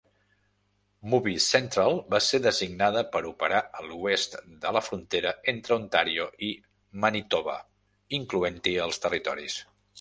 Movie Central va ser designada per operar a l'oest de la frontera entre Ontario i Manitoba, incloent-hi els territoris.